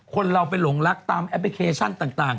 คนเราไปหลงรักตามแอปพลิเคชันต่าง